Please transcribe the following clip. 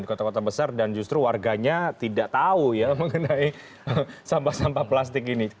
di kota kota besar dan justru warganya tidak tahu ya mengenai sampah sampah plastik ini